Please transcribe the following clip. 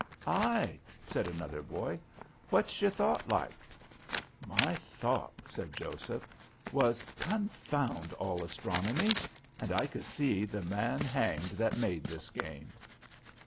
"Ay," said another boy, "what's your thought like?" "My thought," said Joseph, "was 'Confound all astronomy, and I could see the man hanged that made this game.